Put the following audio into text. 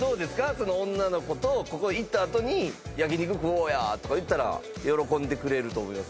その女の子とここへ行ったあとに焼き肉食おうやとか言ったら喜んでくれると思います